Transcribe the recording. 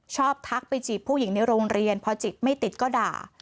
ทักไปจีบผู้หญิงในโรงเรียนพอจีบไม่ติดก็ด่า